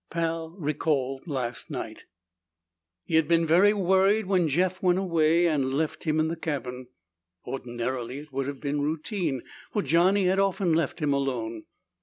Pal recalled last night. He had been very worried when Jeff went away and left him in the cabin. Ordinarily it would have been routine, for Johnny had often left him alone.